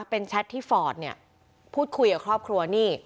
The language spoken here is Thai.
เป็นแชทที่ฟอร์ดเนี่ยพูดคุยกับครอบครัวนี่